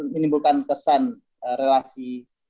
menimbulkan kesan relasi